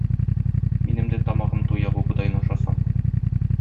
Минем дә тамагым туя бу бодайны ашасам.